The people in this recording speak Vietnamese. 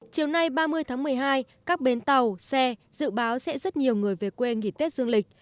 chiều nay ba mươi tháng một mươi hai các bến tàu xe dự báo sẽ rất nhiều người về quê nghỉ tết dương lịch